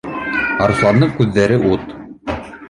— Арыҫландың күҙҙәре ут